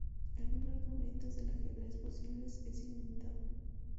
El número de variantes del ajedrez posibles es ilimitado.